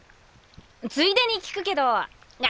ついでに聞くけどあ